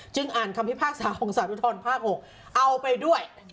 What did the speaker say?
อ่านคำพิพากษาของสารอุทธรภาค๖เอาไปด้วย